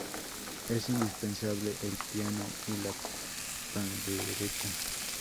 Es indispensable el piano y la pandereta.